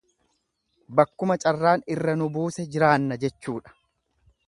Bakkuma carraan irra nu buuse jiraannaa jechuudha.